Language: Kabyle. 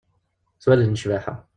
S wallen n ccbaḥa.